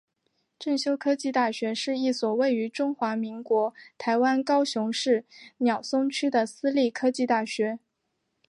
正修科技大学是一所位于中华民国台湾高雄市鸟松区的私立科技大学。